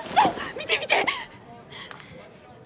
見て見て！